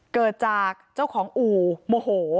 เกิดจากเจ้าของอู่โมโห